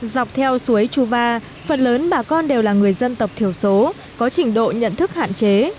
dọc theo suối chuva phần lớn bà con đều là người dân tộc thiểu số có trình độ nhận thức hạn chế